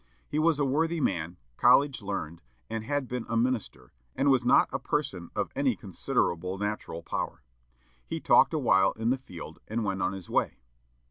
He was a worthy man, college learned, and had been a minister, and was not a person of any considerable natural power. He talked a while in the field and went on his way.